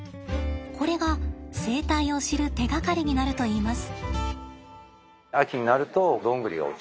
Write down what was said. これが生態を知る手がかりになるといいます。